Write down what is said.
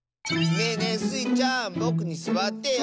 ねえねえスイちゃんぼくにすわってよ。